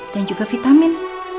dan juga vitamin